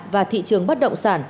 và thị trường bất động sản